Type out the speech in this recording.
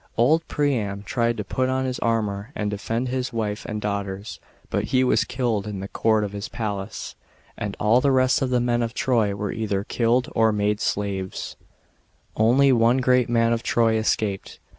Old Priam tried to put on his armour and defend his wife and daughters, but he was killed in the court of his palace. And all the rest of the men of Troy were either killed, Dr made slavey. 64 ESCAPE OF AENEAS. [B.C. 1184. Only one great man of Troy escaped.